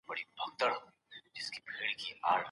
که ښوونکی انلاین ارزونه وکړي، پرمختګ نه نادیده کېږي.